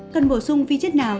cần bổ sung vi chất nào